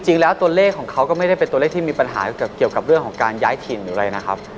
จริงแล้วตัวเลขของเขาก็ไม่ได้เป็นตัวเลขที่มีปัญหาเกี่ยวกับเรื่องของการย้ายถิ่นหรืออะไรนะครับ